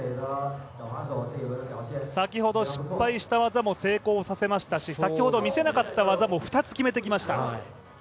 先ほど失敗した技も成功させましたし、先ほど見せなかった技も２つ決めてきました。